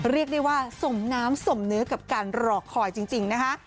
เรียกได้ว่าสมน้ำสมเนื้อกับการรอคอยจริงนะคะ